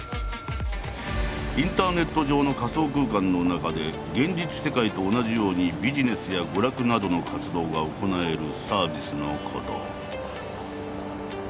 インターネット上の仮想空間の中で現実世界と同じようにビジネスや娯楽などの活動が行えるサービスのこと。